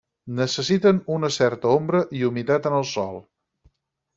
Necessiten una certa ombra i humitat en el sòl.